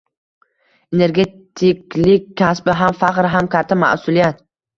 Energetiklik kasbi ham faxr, ham katta mas’uliyat